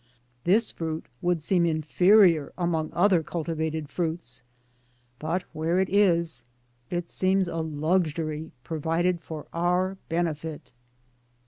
This fruit would seem inferior among other cultivated fruits, but where it is, it seems a luxury pro vided for our benefit.